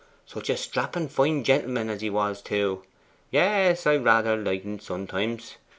Such a strappen fine gentleman as he was too! Yes, I rather liked en sometimes.